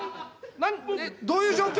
何どういう状況？